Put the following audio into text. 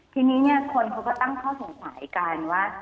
ทีนี้เนี่ยคนเขาก็ตั้งข้อสงสัยกันว่า